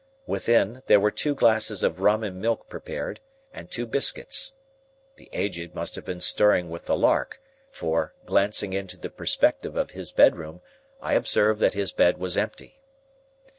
Within, there were two glasses of rum and milk prepared, and two biscuits. The Aged must have been stirring with the lark, for, glancing into the perspective of his bedroom, I observed that his bed was empty.